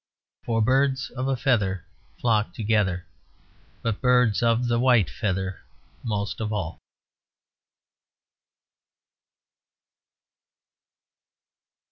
For birds of a feather flock together, but birds of the white feather most of all.